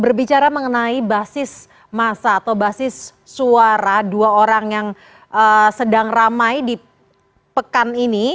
berbicara mengenai basis masa atau basis suara dua orang yang sedang ramai di pekan ini